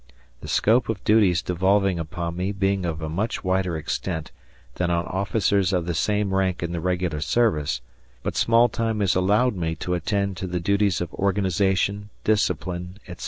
The scope of duties devolving upon me being of a much wider extent than on officers of the same rank in the regular service, but small time is allowed me to attend to the duties of organization, discipline, etc.